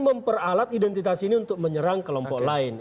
memperalat identitas ini untuk menyerang kelompok lain